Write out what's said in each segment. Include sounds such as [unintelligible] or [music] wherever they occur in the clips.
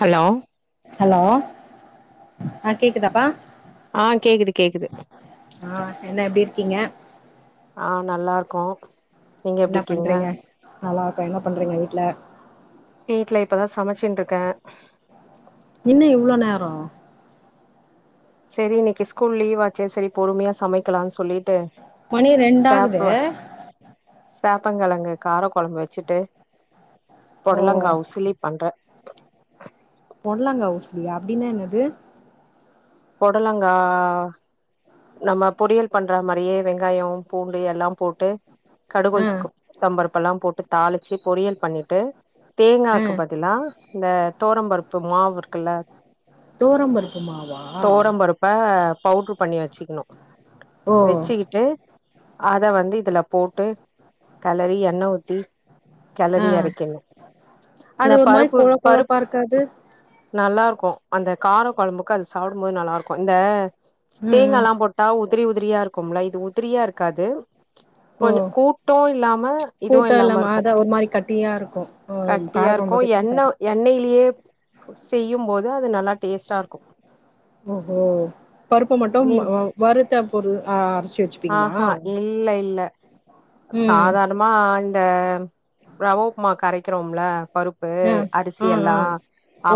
hello hello ஆ கேக்குதாப்பா ஆ கேக்குது கேக்குது ஆ என்ன எப்டி இருக்கீங்க ஆ நல்லா இருக்கோ நீங்க என்ன எப்டி இருக்கீங்க பண்றீங்க நல்லா இருக்கோ என்ன பண்றீங்க வீட்ல வீட்ல இப்பதான் சமச்சிண்டுருக்க இன்னு இவ்ளோ நேரோ செரி இன்னக்கி ஸ்கூல் லீவ்வாச்சே சரி பொறுமயா சமை வைக்லானு சொல்லிட்டு மணி ரெண்டாகுது சேப் [unintelligible] சேப்பங்கெழங்கு கார கொழம்பு வெச்சுட்டு ஓ பொடலங்கா உசிலி பண்ற பொடலங்கா உசிலியா அப்டின்னா என்னது பொடலங்கா நம்ம பொரியல் பண்ற மாரியே வெங்காயோ பூண்டு எல்லாம் போட்டு கடுகு ஆ உள்த்த உளுத்தம் பருப்பல்லாம் போட்டு தாளிச்சு பொரியல் பண்ணிட்டு ஆ தேங்காக்கு த்துலா இந்த தொவரம்பருப்பு மாவிருக்கல்ல தொவரம்பருப்பு மாவா இப்ப பவுடுரு பண்ணி வெச்சுக்குணு ஓ வெச்சிக்கிட்டு அத வந்து இதுல போட்டு கெளறி எண்ண ஊத்தி ஆ கெளரி எரக்கின்னு அது இந்த ஒரு மாரி பருப்பு கொழ பருப் கொழப்பா இருக்காது நல்லாருக்கு அந்த கார கொழம்புக்கு அது சாப்டும்போது நல்லாருக்கு இந்த ம் ம் தேங்காலா போட்டா உதிரி உதிரியா இருக்கும்ல இது உதிரியாருக்காது ஓ கொஞ்சோ கூட்டு இல்லாம இதுவு கூட்டோ இல்லாம இருக்கு அதா ஒரு மாரி கட்டியா இருக்கு ஆ கட்டியா இருக்கு காரக்கொழம்புக்கு வச்சு எண்ண சாப்டு எண்ணெய்லே செய்யும் போது அது நல்லா டேஸ்டா இருக்கு ஓஹோ பருப்ப மட்டும் நீ வ வறுத்த பொருள் அரச்சு வெச்சு ஆஹா இல்ல இல்ல ம் சாதார் மா இந்த ரவ உப்மாக்கு அரைக்கிறோமல்ல பருப்பு ஆ அரிசி ஆ எல்லா ஆ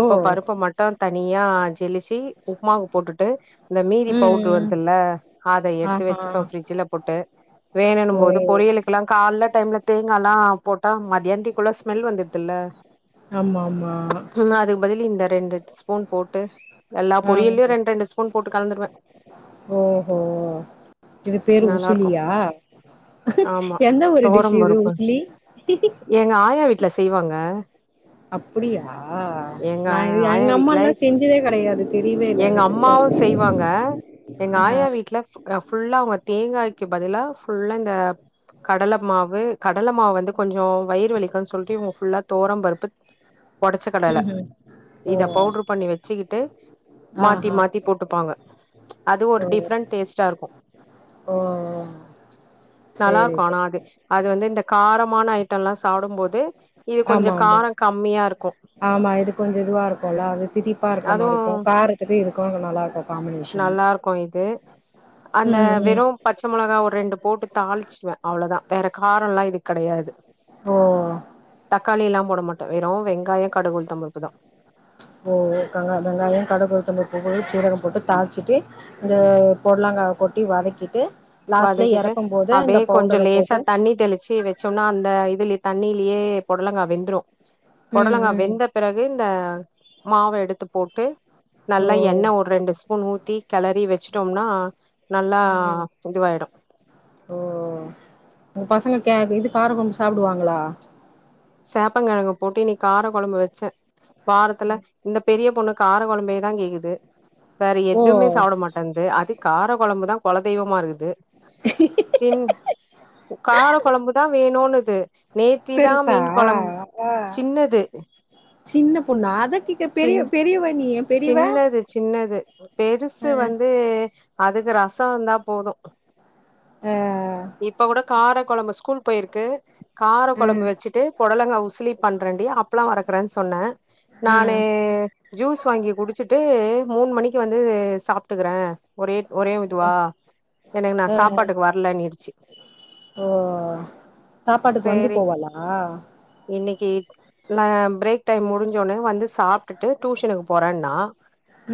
ஓ பருப்ப மட்டு தனியா ஜெலிச்சி உப்மாவு போட்டுட்டு இந்த மீதி ம் பவுடுரு ம் வருதல்ல அத எடுத்து ஆஹா வெச்சு ப ஃபிரிட்ஜ்ல போட்டு ஓ வேணுன்னும்போது பொறியலு இப்பல்லா கால்ல டைம்ல தேங்கால்லா போட்டா மதியாந்திக்குள்ள ஸ்மெல் வந்திருதில்ல ஆம்ஆம்மா இல்லனா அதுக் பதில் இந்த ரெண்டு ஸ்பூன் போட்டு எல்லா ஆ பொரியல்லயு ரெண்ட் ரெண்டு ஸ்பூன் போட்டு கலந்துருவ ஓஹோ இது பேரு நல்லா இருக்கு உசிலியா ஆமா எந்த வூரு டிஷ் தொவரம் இது பருப்பு உசிலி எங்க ஆயா வீட்ல செய்வாங்க அப்டியா எங்க நா ஆயா வீட்ல எங்கம்மாலா செஞ்சதே கெடையாது தெரியவே இல்ல எங்க எனக்கு அம்மாவு பாருங்க செய்வாங்க எங்க ஆஹா ஆயா வீட்ல அ ஃபுல்லா அவுங்க தேங்காய்க்கு பதிலா ஃபுல்லா இந்த கடல மாவு கடல மாவு வந்து கொஞ்சோ வயிறு வலிக்குன் சொல்ட்டு இவுங்க ஃபுல்லா துவரம் பருப்பு ஒடச்ச கடல ம்ஹூம் ஓ இத பவுட்ரு பண்ணி வெச்சிக்கிட்டு மாத்தி ஆஹா மாத்தி போட்டுப்பாங்க அது ஓ ஒரு டிஃப்ரெண்ட் டேஸ்டா இருக்கும் ஓ சேரி நல்லார்க்கு ஆனா சேரி அது அது வந்து இந்த காரமான ஐட்டல சாப்டும்போது இது கொஞ்சோ ஆமாமா காரோ கம்மியா இருக்கு ஆமா இது கொஞ்ச இதுவா இருக்குல அது திதிப்பா இருக்க மார் அதுவு இருக்கு காரத்துக்கு இதுக்கு நல்லா இருக்காது நல்லா இருக்கு இது அந்த ம் ம் வெறும் பச்சை மிளகா ஒரு ரெண்டு போட்டு தாளிச்சிருவே அவ்ளோதா வேற காரம்லா இதுக் கெடையாது ஓஹோ தக்காளிலா போட மாட்டே வெறு வெங்காய கடுகு உளுத்தம் பருப்பு தா ஓ ஓ காங்க அதாங்க வெங்காய கடகு உளுத்தம்பருப்பு சீரக போட்டு தாள்ச்சிட்டு இந்த புடலங்கா கொட்டி வதக்கிட்டு லாஸ்ட்ல வதக்கிட்டு எறக்கும் போது இந்த அப்டியே கொஞ்ச பவுடர லேசா போட்டு தண்ணி தெளிச்சி வெச் சோம்னா அந்த இதுலயே தண்ணியிலயே பொடலங்கா வெந்துரு ம் பொடலங்கா ம் வெந்தப் பிறகு இந்த மாவ எடுத்து போட்டு ஓ நல்லா எண்ணெய் ஒரு ரெண்டு ஸ் பூண் ஊத்தி கெளரி வச்சுட்டோம்னா நல்லா ம் இதுவாயிடும் ஓ உங்க பசங்க கே இது கார கொழம்பு சாப்புடுவாங்களா சேப்பங்கெழங்கு போட்டு இன்னிக்கார கொழம்பு வெச்சே வாரத்துல இந்த பெரிய பொண்ணு கார கொழம்பையேதா கேக்குது வேற ஓ எதுவுமே சாப்ட மாட் வந்து அது கார கொழம்புதா கொலதெய்வமா இருந்து சின் கார கொழம்புதா வேணுன்னுது நேத்திதா மீன் ஆ கொழம் ஆ சின்னது சின்ன பொண்ணா அது சின் சின்னது சின்னது ஆ பெருசு வந்து அதுக்கு ரச இருந்தா போது ஆ இப்ப கூட கார கொழம்பு ஸ்கூல் போயிருக்கு கார ஆ கொழம்பு வெச்சிட்டு புடலங்க உசிலி பண்றண்டி அப்பல்லா வறக்குறன் சொன்ன நானு ஆ ஜூஸ் வாங்கி குடிச்சிட்டு மூணு மணிக்கு வந்து சாப்ட்டுக்கிறே ஒரே ஒரே இதுவா எனக்கு நா ஆ சாப்பாட்டுக்கு வர்லனிடுச்சி ஓ சாப்பாட்டுக்கு வந்து சேரி போவாலா இன்னைக்கு வா பிரேக் டைம் முடிஞ்சோட்னே வந் ந்து சாப்டுட்டு டியூஷனுக்கு போறேனா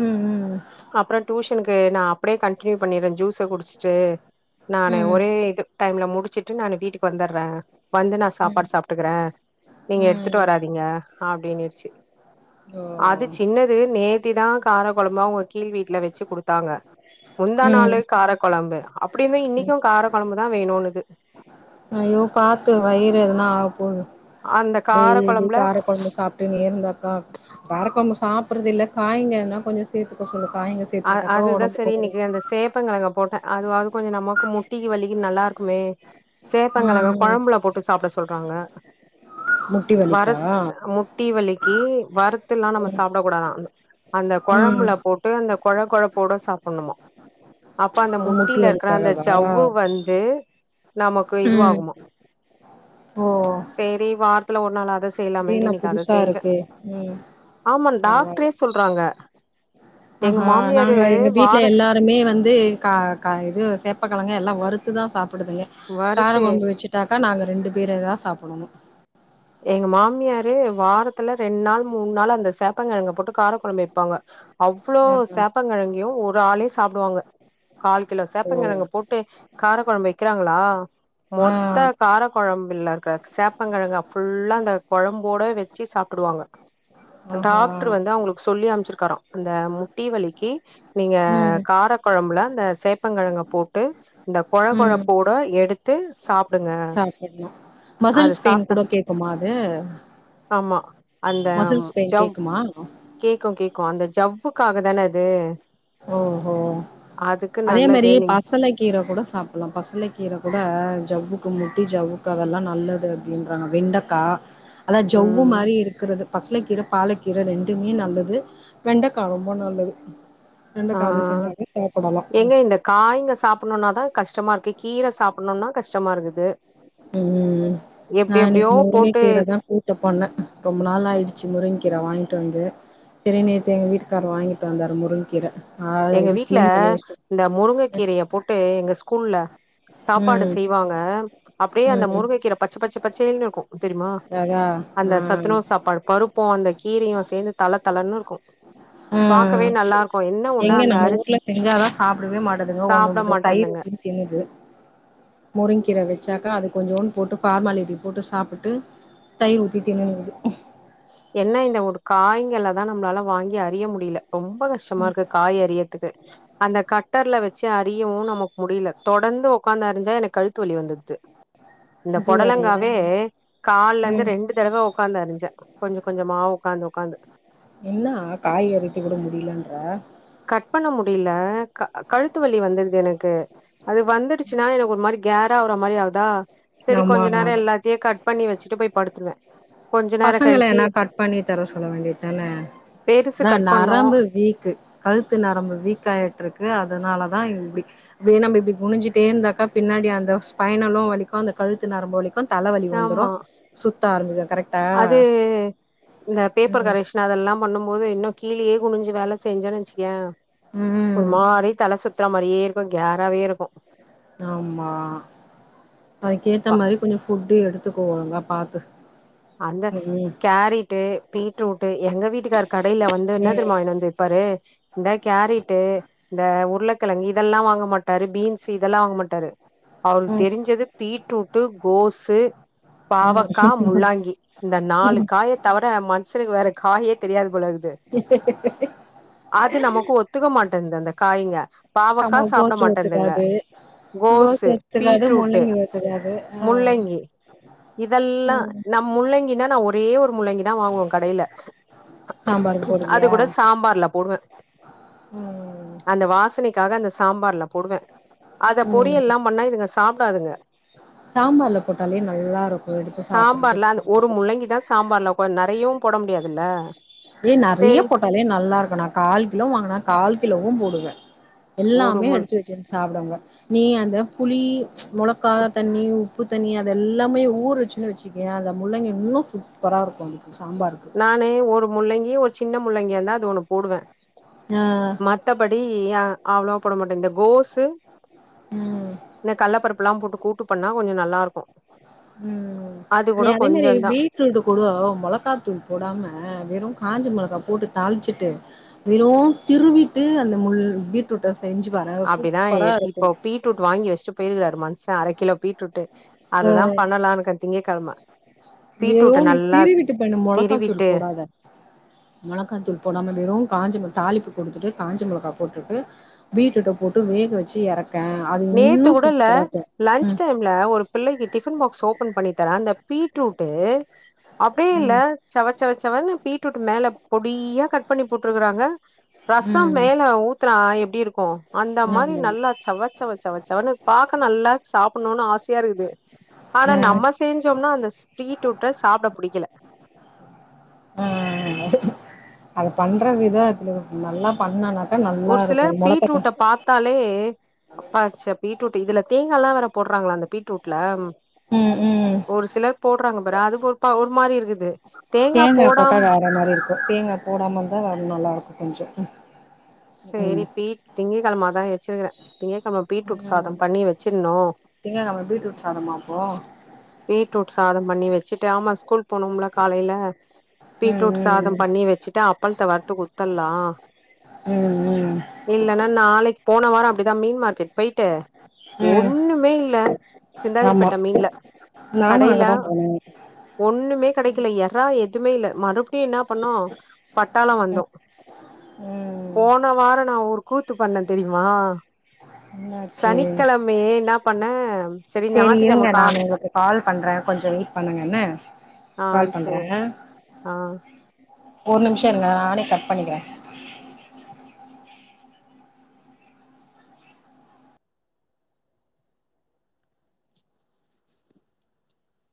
ம் ம் அப்றோ டியூஷனுக்கு நா அப்டியே கண்டினியூ பண்ணிர்ரே ஜூஸ குடிச்சுட்டு நானு ம் ஒரே இது டைம்ல முடிச்சிட்டு நானு வீட்டுக்கு வந்தர்றே வந்து நா ம் சாப்பாடு சாப்ட்டுக்கிறே நீங்க ம் எடுத்துட்டு வராதிங்க அப்டினிடுச்சி அ அது சின்னது நேத்திதா கார கொழம்பு அவங்க கீழ் வீட்ல வெச்சி குடுத்தாங்க முந்தா ம் நாளே கார கொழம்பு அப்டி இருந்து இன்னிக்கு கார கொழம்பு தா வேணுனுது ஐயோ பாத்து வயிறு எதுனா ஆகப்போது அந்த கார டெய்லி கொழம்புல கார கொழம்ப சாப் டின் இருந்தாக்கா காரக்கொழம்பு சாப்பட்றது இல்ல காயங்கெதனா கொஞ்ச சேத்துக்க சொல்லு காய்ங்க அ சேத்துக்கிட்டாக்கா அதுதா ஒடம்புக்கு செரி கொஞ்சோ இன்னிக்கு அந்த சேப்பங்கெழங்க போட்டே அதுவாவது கொஞ்ச நமக்கு முட்டிக்கு வலி நல்லா இருக்குமே சேப்பங்கெழங்க ம் ம் கொழம்புல போட் சாப்ட சொல்றாங்க முட்டி வர வலிக்கா முட் தீவெலிக்கு வரத்துலா நம்ப சாப்டக்கூடாதா அந்த ம் கொழம்புல போட்டு அந்த கொழ கொழப்போட சாப்புனுமா அப்ப அந்த ஓ முட்டி முட்டில இருக்கிற அந்த வலிக்காகவா ஜவ்வு வந்து நமக்கு ம் இதுவாகுமா ஓ சேரி வாரத்துல ஒரு நாள்வாது அத இதே செய்லாமேன்ட்டு நா இன்னைக்கி அத புதுசா செஞ்சே இருக்கே ம் ஆமா டாக்டரே சொல்றாங்க எங்க அஹா மாமியாரு நாங்க எங்க வீட்ல வார எல்லா இந்த மே வந்து க க இது சேப்பக்கெழங்க எல்லா வறுத்து தா சாப்பிடுதுங்க கார வறுத்து கொழம்பு வச்சு ட்டாக்கா நாங்க ரெண்டு பேரே தா சாப்புடணு எங்க மாமியாரு வாரத்துல ரெண்டு நாள் மூணு நாள் அந்த சேப்பகெழங்க போட்டு கார கொழம்பு வெப்பாங்க அவ்ளோ சேப்ப கெழங்கயு ஒரு ஆளே சாப்டுவாங்க கால் கிலோ சேப்பங்கெழங்க போட்டு காரக் கொழம்பு வெக்கிறாங்களா ஆ ஆ மொத்த கார கொழம்பு இல்லகற சேப்ப கெழங்க ஃபுல்லா அந்த கொழம்போட வெச்சு சாப்ட்ருவாங்க ஆஹா டாக்டர் வந்து அவ்ங்ளுக் சொல்லி அம்ச்சிர்க்கார அந்த முட்டி வலிக்கி நீங்க ம் கார கொழம்புல இந்த சேப்பங்கெழங்க போட்டு இந்த கொழ கொழ போட் ப்றோ எடுத்து சாப் சாப்புட்லா மசில்ஸ் பெய்ன் சாப்ட்டா கூட கேக்குமா அது ஆமா அந்த மசில்ஸ் பெயின் ஜவ் கேக்குமா கேக்கு கேக்கு அந்த ஜவ்வுக்காக தான அது ஓஹோ அதுக்கு அதே மாரி நல்லது நீங் பசல கீர கூட சாப் அப்பெலா பசல கீரைக் கூட ஜவ்வுக்கு முட்டி ஜவ்வுக்கு அதெல்லா நல்லது அப்டின்றாங்க வெண்டக்கா ஆனா ஜவ்வு ம் மாரி இருக்குற்து பசலக் கீரை பாலக்கீரை ரெண்டுமே நல்லது வெண்டக்கா ரொம்ப நல்லது வெண்டக்க அது ஆ செஞ்சாலே சாப்டலா ம் ஏங்க இந்த காய்ங்க சாப்பணுனாதா கஷ்டமா இருக்கு கீர சாப்பணுனா கஷ்டமா இருக்குது ம் நா எப்டி எப்டியோ இன்னைக்கி முருங்க போட்டு கீரை தா கூ ட்டு பண்ணே ரொம்ப நாள் ஆச்சு முருங்கக்கீர வாங்கிட்டு வந்து செரி நேத்து எங்க வீட்டுக்காரு வாங்கிட் வந்தார் முருங்கீர எங்க வீட்ல இந்த முருங்க கீரய போட்டு எங்க ஸ்கூல்ல சாப்பாடு ம் செய்வாங் க அப்டியே அந்த ம் முருங்க கீர பச்சு பச்சு பச்சேன் இருக்கு தெரிமா அதா அந்த சத்துணவு சாப்பாடு பருப்பு அந்த கீரையு சேந்து தள தளன்னு இருக்கு ஆ பாக்கவே ம் நல்லா இருக்கு என் எங்க நம்ம வூட்ல செஞ்சா தா சாப்டவே மாட்டாதுங்க ஒன் சாப்ட வந்துட்டு தயிர் மாட்டேந்துங்க வச்சி தின்னுது முருங்கீர வச் சாக்கா அது கொஞ்சோன்னு போட்டு ஃபார்மாலிட்டி போட்டு சாப்ட்டு தயிர் ஊத்தி தின்னுனு இருக்குது என்ன இந்த ஒரு காய்ங்கல தா நம்ளால வாங்கி அறிய முடில ரொம்ப கஷ்டமா இருக்கு காய் அறியத்துக்கு அந்த கட் ட்டர்ல வச்சி அறியவு நமக் முடில தொடந்து ஒக்காந்து அறிஞ்சா எனக் கழுத்து வலி வந்துர்து இந்த இது வேறயா பொடலங்காவே கால்ல இந்து ம் ரெண்டு தடவோ உக்காந்து அறிஞ்சே கொஞ்ச கொஞ்சமா உக்காந்து உக்காந்து என்னா காய் அறித்து கூட முடிலன்ற கட் பண்ண முடில க அ கழுத்து வலி வந்துர்தெனு கு அது வந்துடுச்சுன்னா எனக்கு ஒரு மாரி கேராவுற மாரி ஆவுதா செரி ஆமா கொஞ்ச நேர எல்லாத்தையு கட் பண்ணி வச்சிட்டு போய் படுத்துருவே கொஞ்ச நேர பசங்கள கழிச்சு என்னா கட் பண்ணி தர சொல்ல வேண்டிதானே பெருசு அதா கட் பண்ணோ நரம்பு வீக்கு கழுத்து நரம்பு வீக் ஆயிட்ருக்கு அதனால தா இப்டி அப்டே நம்ம இப்டி குனிச்சிட்டே இருந்தாக்க பின்னாடி அந்த ஸ்பைனலு வலி க்கு அந்த கழுத்து நரம்பு வலிக்கு தலவலி வந்துரு ஆமா சுத்த ஆரம்பிக்கு கரெக் அது இந்த பேப்பர் ம் கரேக்சன் நா அதெல்லா பண்ணும் போது இன்னு கீழியே குனிஞ்சு வேல செஞ்சேனு வெச்சிக்கயே ஒரு ம் மாரி தல சுத்துற மாரியே இருக்கு கேராவே இருக்கு ஆமா அதுக்கேத்த அப்பா மாதிரி கொஞ்ச ஃபுட்டு எடுத்துக்கோ ஒழுங்கா பாத்து அந்த ம் கேரட்டு பீட்ரூட் எங்க வீட்டுக்காரு கடையில வந்து என்ன ம் தெரிமா வாய்னு வந்து வெப்பாரு இந்தா கேரிட்டு இந்த உருளக்கெழங்கு இதெல்லா வாங்க மாட்டாரு பீன்ஸ் இதெல்லா வாங்க மாட்டாரு அவுருக்ஙு ம் தெரிஞ்சது பீட்ரூட்டு கோசு பாவக்கா முள்ளாங்கி இந்த நாலு ம் காய தவர மன்ஷனுக்கு வேற காயே தெரியாது போலருகுது அது நமக்கு ஒத்துக்க மாட்டேந் அந்த காய்ங்க பாவக்கா ஆமா சாப்ட கோசு மாட்டேந்ங்க ஒத்துக்காது கோஸ் கோசு ஒத்துக்காது பீட்ரூட்டு் முள்ளங்கி ஒத்துக்காது முள்ளங்கி இதெல்லா ம் நம் முள்ளங்கினா நா ஒரே ஒரு முள்ளங்கி தா வாங்குவ கடையில சாம்பாருக்கு அது போடுவியா கூட சாம்பார்ல போடுவே ம் அந்த வாசனைக்காக அந்த சாம்பார்ல போடுவே அத ம் பொரியல்லா பண்ணா இதுங்க சாப்டாதுங்க சாம்பார்ல போட்டாலயே நல்லா இருக்கு எடுத்து சாப்றதுக்கு சாம்பார்ல அந்த ஒரு முள்ளங்கி தா சாம்பார்ல கொஞ் நறையவு போட முடியாதுல்ல ஏய் நெறைய சேரி போட்டாலே நல்லா இருக்கு நா கால் கிலோ வாங்கனா கால் கிலோவு போடுவே ஒரு எல்லாமே முள் எடுத்து வெச்சின் சாப்புடுவங்க நீ அந்த புளி மொளக்கா தண்ணி உப் உப்பு தண்ணி அத எல்லாமே ஊற வெச்சின்னு வெச்சுக்கயே அந்த முள்ளங்கி இன்னும் சூப்பரா இருக்கு அதுக்கு சாம்பாருக்கு நானு ஒரு முள்ளங்கி ஒரு சின்ன முள்ளங்கியாந்தா அது ஒன்னு போடுவே ஆ மத்தபடி ய அவ்ளோவா போட மாட்டே இந்த கோசு ம் இன்ன கல்லப்பருப்ல்லா போட்டு கூட்டு பண்ணா கொஞ்சோ நல்லா இருக்கு ம் அது நீ கூட அதே மாரி கொஞ்சந்தா பீட் தூட்டு குட மொளகா தூள் போடாம வெறு காஞ்ச மொளகா போட்டு தாளிச்சுட்டு வெறு திருவிட்டு அந்த முள் பீட்ரூட்ட செஞ்சுபாரே அப்டிதா சூப்பரா இருக்கு இப்போ பீட்ரூட் வாங்கி வச்சுட்டு போயிருக்றாரு மன்ஷே அர கிலோ பீட்ரூட்டு அத தா பண்ணலானுக்கே திங்க கெழம வெறு நீ திருவிட்டு பண்ணு மொளக்கா தூள் திருவிட்டு போடாத மெளகா தூள் போடாம வெறும் காஞ்ச மெ தாளிப்பு குடுத்துட்டு காஞ்ச மெளகா போட்டுட்டு பீட்ரூட்ட போட்டு வேக வெச்சி எறக்கே அது நேத்து இன்னு கூடல்ல சூப்பரா இருக்கு லன்ச் டைம்ல ஒரு பிள்ளைக்கு டிஃபன் பாக்ஸ் ஓபன் பண்ணி தரே அந்த பீட்ரூட் அப்டியே இல்ல ம் ம் சவ சவச்சவனு பீட்ரூட்ட மேல பொடியா கட் பண்ணி போட்ருக்றாங்க ரசம் ம் மேல ஊத்துனா எப்டி இருக்கு அந்த மாரி ஆமா நல்லா சவ சவசவசவனு பாக்க நல்லா சாப்புணுன் ஆசையா இருக்குது ஆனா ஆ நம்ம சேஞ்சோம்னா அந்த பீட்ரூட்ட சாப்ட புடிக்கல ஆஆ அத பண்ற விதத்துல நல்லா பண்ணனாக்கா நல்லா இருக்கு மொளகட்டுன த்தாலே அப்பாச்ச பீட்ரூட் இதுல தேங்கால்லா வேற போடுறாங்ளா அந்த பீட்ரூட்ல ம் ம் ஒரு சிலர் போடுறாங்க பாரே அது ஒருப்பா ஒரு மாரி இருக்குது தேங்கா போட்டா வேற மாரி இருக்கு தேங்கா போடாம இருந்தா அது நல்லா இருக்கு கொஞ்சோ ம் சரி பீட் திங்க கெழம அதா வெச்சிருக்கறே திங்க்கெழமை பீட்ரூட் ம் சாதம் பண்ணி வெச்சின்ணு திங்ககெழம பீட்ரூட் சாதமா அப்போ பீட்ரூட் சாதம் பண்ணி வச்சுட்டு ஆமா ஸ்கூல் போனும்ல காலைல ம் பீட்ரூட் சாதம் ம் பண்ணி வெச்சுட்டா அப்பள்த்த வர்த்து குத்தர்லா ம் ம் இல்லன்னா நாளைக்கு போன வாரோ அப்டிதா மீன் மார்க்கெட் போயிட்டு ம் ஒன்னுமே இல்ல ஆமா சிந்தாதிரிபேட்ட மீன்ல நானு கடைல அங்கதா போனே ஒண்ணுமே கிடைக்கல எறா எதுவுமே இல்ல மறு அப்டி என்ன பண்ணோம் பட்டாளம் வந்தோம் ம் போன வாரம் நான் ஒரு கூத்து பண்ணே தெரியுமா என்னாச்சு சனிக்கெழமையே என்னாப் பண்ண சரி சேரி இருங்க ஞாத்துக்கெழம கா நான் உங்களுக்கு கால் பண்றேன் கொஞ்சம் வெயிட் பண்ணுங்க என்ன ஆ கால் சேர் பண்றேன் ஆ ஒரு நிமிஷ இருங்க நானே கட் பண்ணிக்கிறே